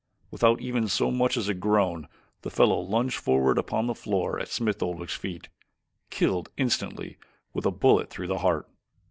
Without even so much as a groan the fellow lunged forward upon the floor at Smith Oldwick's feet killed instantly with a bullet through the heart.